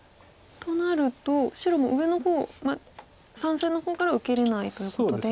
となると白も上の方３線の方から受けれないということで。